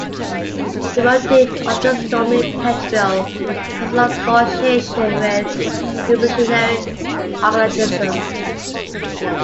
The motif of the stormy petrel has a long association with revolutionary anarchism.